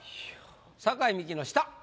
酒井美紀の下。